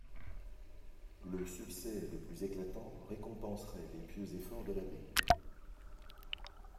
Le succès le plus éclatant récompenserait les pieux efforts de l'abbé.